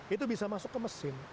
itu bisa masuk ke mesin